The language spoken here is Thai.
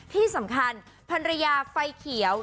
ที่สำคัญภรรยาไฟเขียว